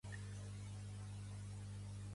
La via eslovena a la independència